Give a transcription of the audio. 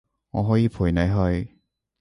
我可以陪你去